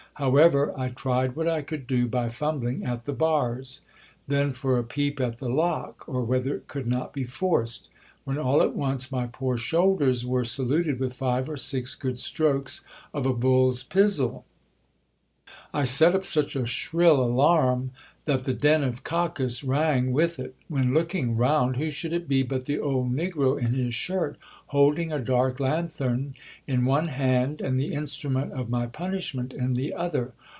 However, I tried what I could do by fumbling at the bars. Then for a peep at the lock ; or whether it could not be forced ! When all at once my poor shoulders were saluted with five or six good strokes of a bull's pizzle. I set up such a shrill alarum, that the den of Cacus rang with it ; when looking round, who should it be but the old negro in his shirt, hold ing a dark lanthorn in one hand, and the instrument of my punishment in the other.